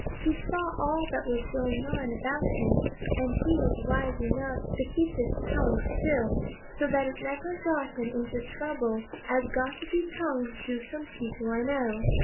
He saw all that was going on about him, and he was wise enough to keep his tongue still, so that it never got him into trouble as gossipy tongues do some people I know."